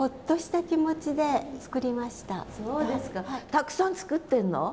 たくさん作ってるの？